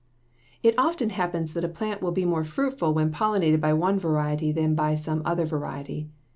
It often happens that a plant will be more fruitful when pollinated by one variety than by some other variety.